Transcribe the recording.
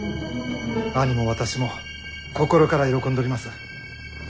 兄も私も心から喜んどります。